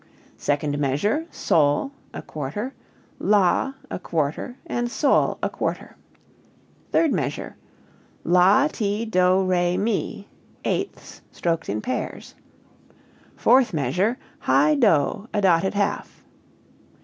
Second measure, SOL a quarter, LA a quarter, and SOL a quarter. Third measure, LA, TI, DO, RE, MI, eighths, stroked in pairs. Fourth measure, high DO a dotted half."